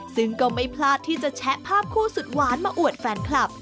ซึ่งก็ไม่พลาดที่จะแชะภาพคู่สุดหวานมาอวดแฟนคลับ